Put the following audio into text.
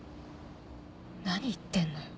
何言ってんのよ。